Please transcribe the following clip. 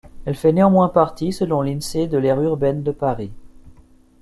Elle fait néanmoins partie, selon l'Insee, de l'aire urbaine de Paris.